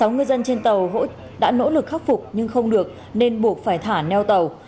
sáu ngư dân trên tàu đã nỗ lực khắc phục nhưng không được nên buộc phải thả neo tàu